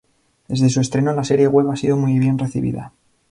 Desde su estreno la serie web ha sido muy bien recibida.